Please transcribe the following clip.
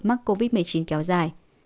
mắc covid một mươi chín kéo dài